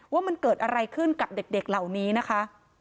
ว่ามันเกิดอะไรขึ้นกับเด็กเหล่านี้นะคะ